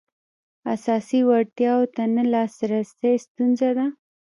اساسي اړتیاوو ته نه لاسرسی ستونزه ده.